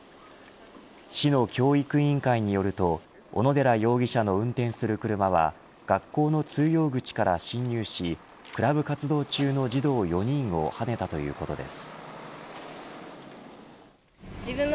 市の教育委員会によると小野寺容疑者の運転する車は学校の通用口から侵入しクラブ活動中の児童４人をはねたということです。